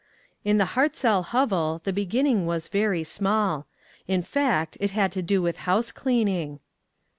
In the Hartzell hovel the beginning was very small. In fact, it had to do with housecleaning